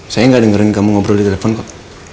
saya nggak dengerin kamu ngobrol di telepon kok